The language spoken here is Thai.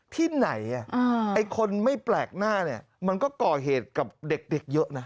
ที่ไหนไอ้คนไม่แปลกหน้าเนี่ยมันก็ก่อเหตุกับเด็กเยอะนะ